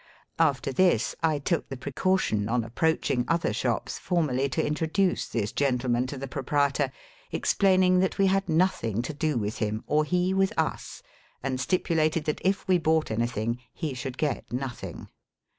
After this I took the precaution on approaching other shops formally to introduce this gentleman to the proprietor, explaining that we had nothing to do with him, or he with us, and stipulated that if we bought anything he should get nothing.